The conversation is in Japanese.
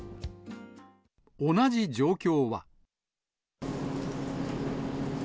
同じ状況は。